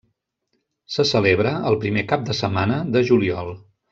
Se celebra el primer cap de setmana de juliol.